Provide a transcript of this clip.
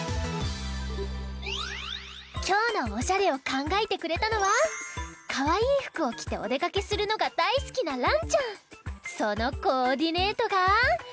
きょうのおしゃれをかんがえてくれたのはかわいいふくをきておでかけするのがだいすきなそのコーディネートがこちら！